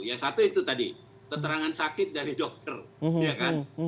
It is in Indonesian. ya satu itu tadi keterangan sakit dari dokter ya kan